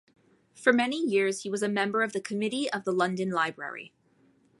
For many years he was a member of the committee of the London Library.